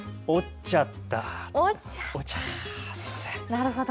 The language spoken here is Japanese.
なるほど。